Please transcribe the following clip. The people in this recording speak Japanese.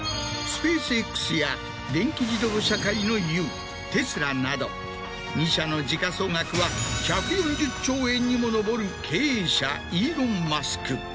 ＳｐａｃｅＸや電気自動車界の雄テスラなど２社の時価総額は１４０兆円にも上る経営者イーロン・マスク。